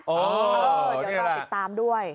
อ๋อนี่แหละเดี๋ยวเราติดตามด้วย